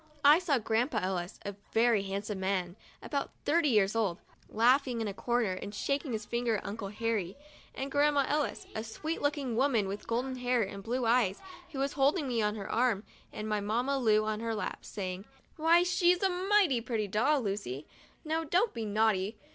I saw Grandpa Ellis, a very handsome man, about thirty years old, laughing in a corner and shaking his finger at Uncle Harry, and Grandma Ellis, a sweet looking woman with golden hair and blue eyes, was holding me on her arm and my Mamma Lu on her lap, and saying: 'Why she's a mighty pretty dolly, Lucy. Now don't be naughty